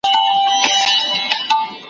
چي تعلیم بند وي مکتب تکفیر وي `